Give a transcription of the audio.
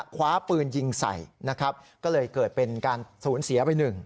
คว้าปืนยิงใส่นะครับก็เลยเกิดเป็นการสูญเสียไปหนึ่ง